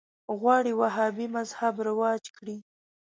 غواړي وهابي مذهب رواج کړي